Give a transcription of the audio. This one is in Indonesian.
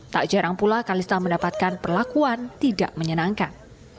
tak jarang pula kalista mendapatkan perlakuan tidak menyenangkan